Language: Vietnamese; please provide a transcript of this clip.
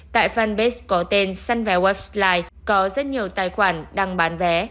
tại fanbase có tên sunveo westlife có rất nhiều tài khoản đang bán vé